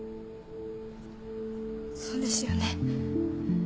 そうですよね。